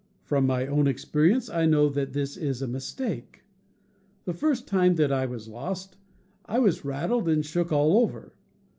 From my own experience I know that this is a mistake. The first time that I was lost, I was rattled and shook all over.